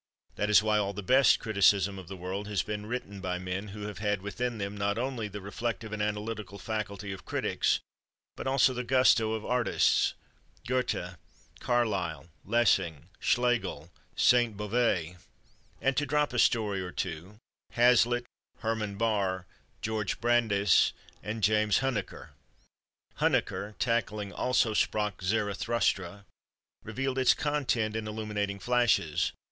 This is why all the best criticism of the world has been written by men who have had within them, not only the reflective and analytical faculty of critics, but also the gusto of artists—Goethe, Carlyle, Lessing, Schlegel, Saint Beuve, and, to drop a story or two, Hazlitt, Hermann Bahr, Georg Brandes and James Huneker. Huneker, tackling "Also sprach Zarathustra," revealed its content in illuminating flashes.